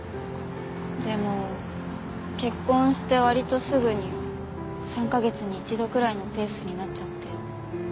でも結婚して割とすぐに３カ月に１度くらいのペースになっちゃって。